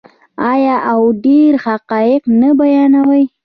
آیا او ډیر حقایق نه بیانوي؟